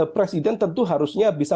presiden tentu harusnya bisa